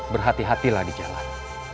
berhati hatilah di jalan